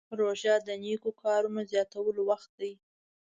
روژه د نیکو کارونو زیاتولو وخت دی.